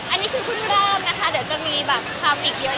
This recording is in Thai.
อันนี้คือพูดเริ่มนะคะเดี๋ยวจะมีคลาปิกเยอะแยะเลย